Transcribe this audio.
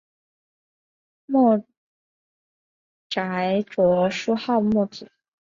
墨翟着书号墨子。